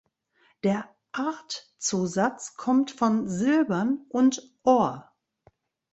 Der Artzusatz kommt von ‚silbern‘ und ‚Ohr‘.